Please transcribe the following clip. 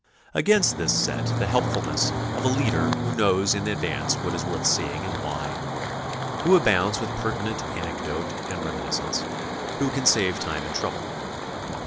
Against this set the helpfulness of a leader who knows in advance what is worth seeing and why and where, who abounds with pertinent anecdote and reminiscence, who can save time and trouble.